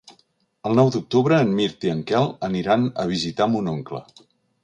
El nou d'octubre en Mirt i en Quel aniran a visitar mon oncle.